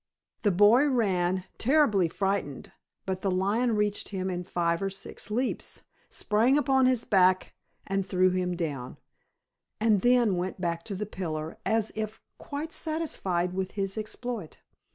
The boy ran, terribly frightened; but the lion reached him in five or six leaps, sprang upon his back and threw him down, and then went back to the pillar as if quite satisfied with his exploit.